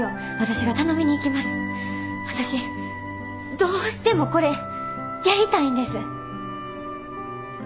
私どうしてもこれやりたいんです。